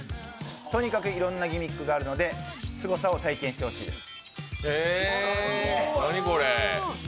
とにかくいろんなギミックがあるのですごさを体験してほしいです。